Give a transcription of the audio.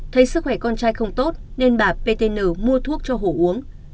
thấy sức khỏe con trai không tốt nên bà ptn mua thuốc cho hổ uống